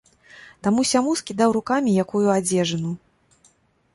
Таму-сяму скідаў рукамі якую адзежыну.